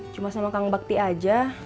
cuma sama kang bakti aja